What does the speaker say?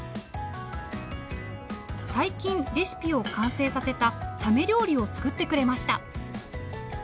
最近レシピを完成させたサメ料理を作ってくれました。